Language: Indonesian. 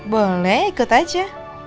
boleh ikut aja